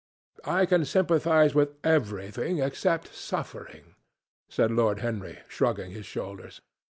"I can sympathize with everything except suffering," said Lord Henry, shrugging his shoulders.